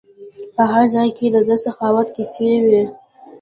په هر ځای کې د ده سخاوت کیسې وي.